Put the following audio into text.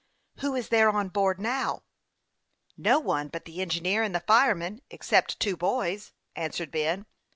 " Who is there on board now ?"" No one but the engineer and the fireman, except two boys," answered Ben.